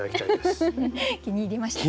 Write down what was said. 気に入りましたか？